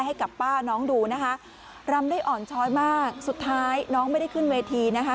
ให้กับป้าน้องดูนะคะรำได้อ่อนช้อยมากสุดท้ายน้องไม่ได้ขึ้นเวทีนะคะ